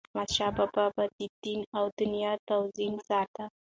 احمدشاه بابا به د دین او دنیا توازن ساته.